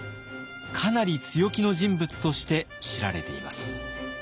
かなり強気の人物として知られています。